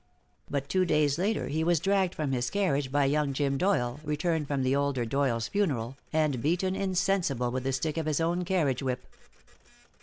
But two days later he was dragged from his carriage by young Jim Doyle, returned for the older Doyle's funeral, and beaten insensible with the stick of his own carriage whip.